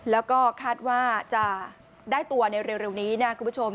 แล้วก็คาดว่าจะได้ตัวในเร็วนี้นะคุณผู้ชม